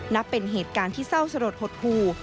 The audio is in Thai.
นับเป็นเหตุการณ์ที่เศร้าสลดหดหู